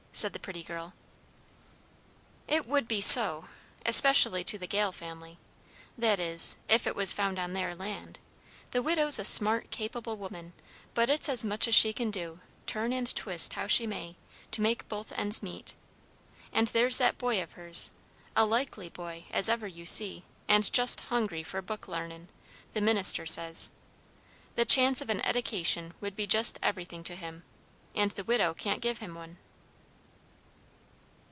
said the pretty girl. "It would be so, especially to the Gale family, that is, if it was found on their land. The widow's a smart, capable woman, but it's as much as she can do, turn and twist how she may, to make both ends meet. And there's that boy of hers, a likely boy as ever you see, and just hungry for book l'arnin', the minister says. The chance of an eddication would be just everything to him, and the widow can't give him one."